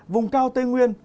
vùng cao tây nguyên